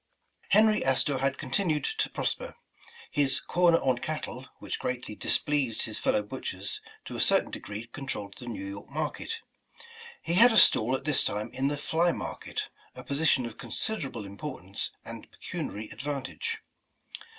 Henry Astor had continued to prosper. His '' corner on cattle, '' which greatly displeased his fellow butchers, to a certain degree controlled the New York market. He had a stall at this time in the Fly Market, a position of considerable importance and pecuniary advantage.